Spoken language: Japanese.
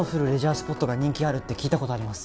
スポットが人気あるって聞いたことあります